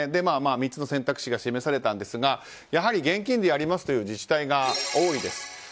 ３つの選択肢が示されたんですがやはり現金でやりますという自治体が多いです。